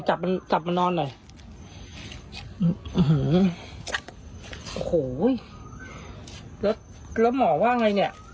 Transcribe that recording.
จับมันจับมานอนหน่อยโอ้โหแล้วหมอว่าไงเนี้ย